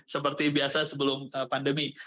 seperti biasa sebelum pandemi